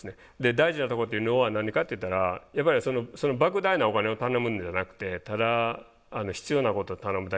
大事なとこっていうのは何かって言ったらやっぱりそのばく大なお金を頼むんじゃなくてただ必要なことを頼むだけで。